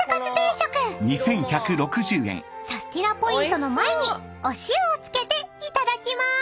［サスティなポイントの前にお塩を付けていただきまーす］